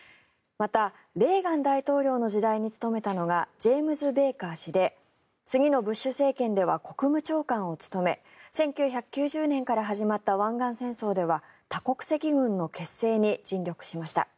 また、レーガン大統領の時代に務めたのがジェイムズ・ベイカー氏で次のブッシュ政権では国務長官を務め１９９０年から始まった湾岸戦争では多国籍軍の結成に尽力しました。